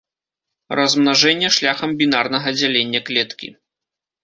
Размнажэнне шляхам бінарнага дзялення клеткі.